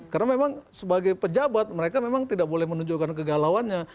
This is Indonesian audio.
karena memang sebagai pejabat mereka memang tidak boleh menunjukkan kegalauannya